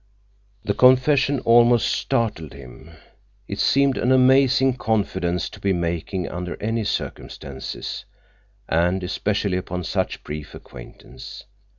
The confession almost startled him. It seemed an amazing confidence to be making under any circumstances, and especially upon such brief acquaintance.